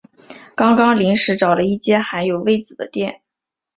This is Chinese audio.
刚刚临时找了一间还有位子的店